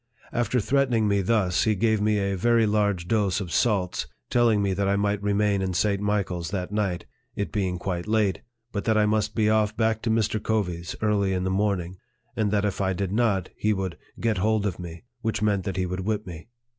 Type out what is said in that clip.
After threatening me thus, he gave me a very large dose of salts, telling me that I might remain in St. Michael's that night, (it being quite late,) but that I must be off back to Mr. Covey's early in the morning ; and that if I did not, he would get hold of me, which meant that he would whip me.